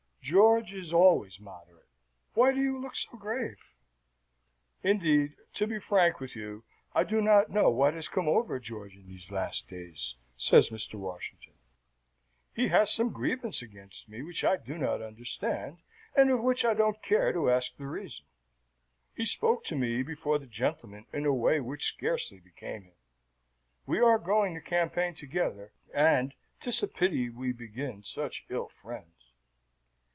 George is always moderate. Why do you look so grave?" "Indeed, to be frank with you, I do not know what has come over George in these last days," says Mr. Washington. "He has some grievance against me which I do not understand, and of which I don't care to ask the reason. He spoke to me before the gentlemen in a way which scarcely became him. We are going the campaign together, and 'tis a pity we begin such ill friends."